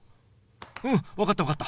うん分かった分かった。